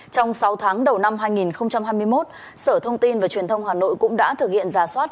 trong sáu tháng đầu năm hai nghìn hai mươi một sở thông tin và truyền thông hà nội cũng đã thực hiện giả soát